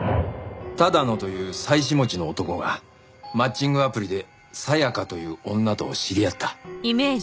多田野という妻子持ちの男がマッチングアプリで「さやか」という女と知り合った。